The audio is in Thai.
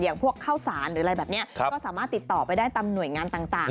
พวกข้าวสารหรืออะไรแบบนี้ก็สามารถติดต่อไปได้ตามหน่วยงานต่าง